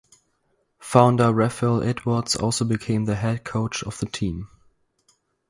Founder Raphael Edwards also became the head coach of the team.